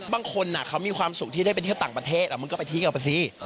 บางคนเขามีความสุขที่ได้ไปเที่ยวต่างประเทศมันก็ไปเที่ยวเอาไปสิ